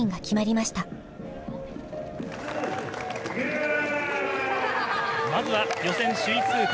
まずは予選首位通過